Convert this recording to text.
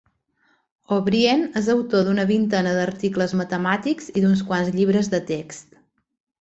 O'Brien és autor d'una vintena d'articles matemàtics i d'uns quants llibres de text.